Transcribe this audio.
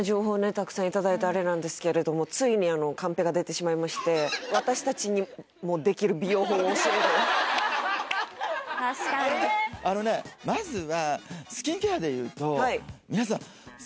たくさんいただいてあれなんですけれどもついにカンペが出てしまいまして確かにあのね皆さん